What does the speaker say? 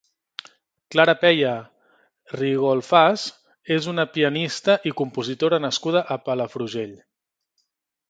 Clara Peya Rigolfas és una pianista i compositora nascuda a Palafrugell.